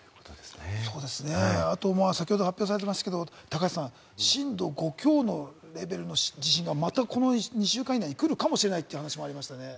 先ほど発表されていますけど、高橋さん、震度５強レベルの地震がまた、この２週間以内に来るかもしれないという話でしたね。